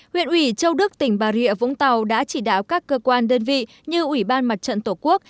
huyện ủy châu đức tỉnh bà rịa vũng tàu đã chỉ đạo các cơ quan đơn vị như ủy ban mặt trận tổ quốc